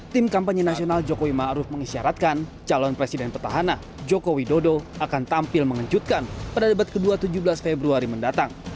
tim kampanye nasional jokowi ma'ruf mengisyaratkan calon presiden petahana jokowi dodo akan tampil mengejutkan pada debat ke dua tujuh belas februari mendatang